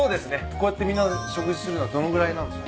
こうやってみんなで食事するのはどのぐらいなんですか？